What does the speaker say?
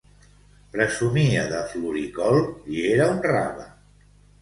Presumia de floricol... i era un rave.